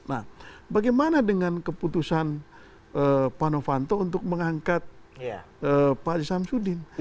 nah bagaimana dengan keputusan pak novanto untuk mengangkat pak aziz samsudin